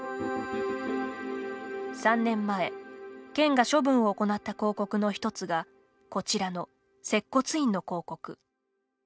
３年前、県が処分を行った広告の１つが、こちらの接骨院の広告。